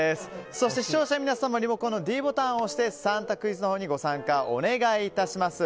そして、視聴者の皆さんもリモコンのｄボタンを押して３択クイズにご参加をお願いします。